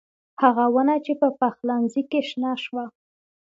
هغه ونه چې په پخلنخي کې شنه شوه